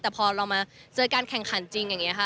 แต่พอเรามาเจอการแข่งขันจริงอย่างนี้ค่ะ